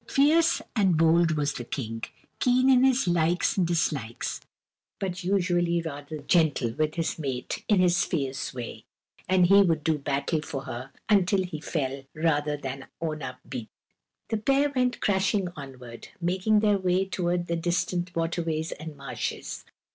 Fierce and bold was the King, keen in his likes and dislikes, but usually rather gentle with his mate in his fierce way, and he would do battle for her until he fell rather than own up beaten. The pair went crashing onward, making their way toward the distant waterways and marshes.